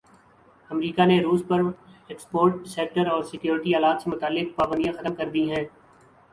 امریکا نے روس پرایکسپورٹ سیکٹر اور سیکورٹی آلات سے متعلق پابندیاں ختم کردی ہیں